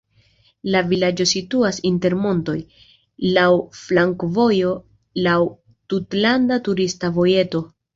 La vilaĝo situas inter montoj, laŭ flankovojoj, laŭ tutlanda turista vojeto.